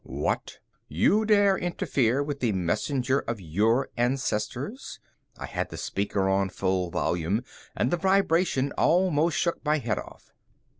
"What you dare interfere with the messenger of your ancestors!" I had the speaker on full volume and the vibration almost shook my head off.